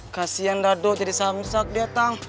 kasian dado jadi samsak dia tang